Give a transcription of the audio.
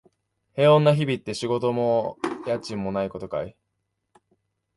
平穏な日々って、仕事も家賃もないことかい？